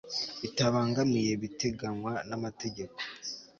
bitabangamiye ibiteganywa n amategeko